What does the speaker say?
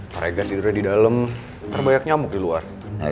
harga tidurnya di dalam terbanyak nyamuk di luar